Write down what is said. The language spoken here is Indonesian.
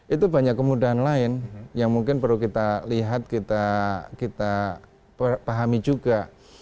itu banyak kemudahan lain yang mungkin perlu kita lihat kita pahami juga